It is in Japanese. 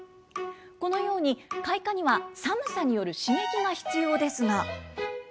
このように開花には寒さによる刺激が必要ですが。